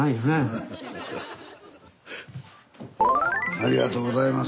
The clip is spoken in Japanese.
ありがとうございます。